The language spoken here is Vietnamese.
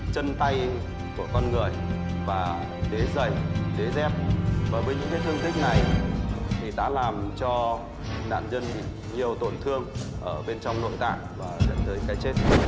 chân tay của con người và đế dày đế dép với những thương thích này đã làm cho nạn nhân nhiều tổn thương ở bên trong nội tạng và dẫn tới cái chết